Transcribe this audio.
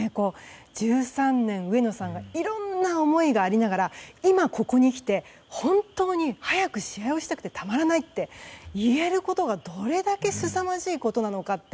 １３年、上野さんのいろんな思いがありながら今、ここにきて本当に早く試合をしたくてたまらないって言えることがどれだけすさまじいことなのか。